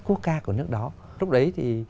cua ca của nước đó lúc đấy thì